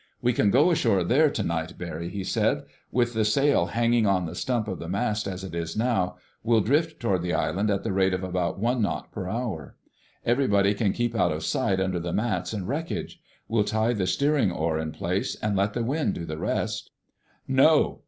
"We can go ashore there tonight, Barry," he said. "With the sail hanging on the stump of the mast as it is now, we'll drift toward that island at the rate of about one knot per hour. Everybody can keep out of sight under the mats and wreckage. We'll tie the steering oar in place and let the wind do the rest...." "No!"